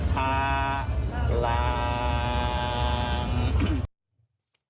ภาหลัง